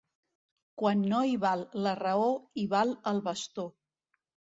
Quan no hi val la raó hi val el bastó.